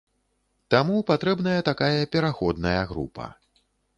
Таму патрэбная такая пераходная група.